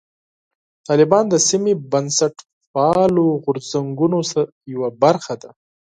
طالبان د سیمې بنسټپالو غورځنګونو یوه برخه ده.